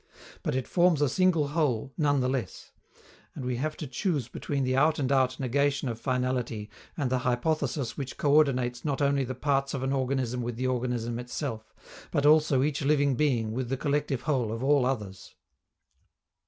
But it forms a single whole, none the less; and we have to choose between the out and out negation of finality and the hypothesis which co ordinates not only the parts of an organism with the organism itself, but also each living being with the collective whole of all others.